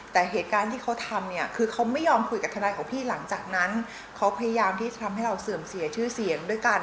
แต่เหตุการณ์ที่เขาทำเนี่ยคือเขาไม่ยอมคุยกับทนายของพี่หลังจากนั้นเขาพยายามที่จะทำให้เราเสื่อมเสียชื่อเสียงด้วยกัน